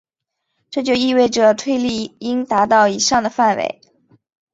这就意味着推力应达到以上的范围。